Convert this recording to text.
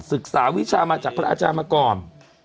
ศึกษาวิชามาจากพระอาจารย์มาก่อน